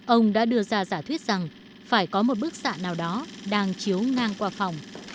ông đã đưa ra giả thuyết rằng phải có một bức xạ nào đó đang chiếu ngang qua phòng